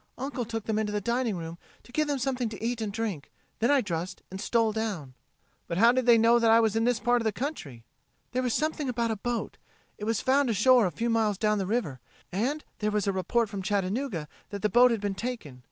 Uncle took them into the dining room to give them something to eat and drink; then I dressed and stole down." "But how did they know that I was in this part of the country?" "There was something about a boat. It was found ashore a few miles down the river, and there was a report from Chattanooga that the boat had been taken.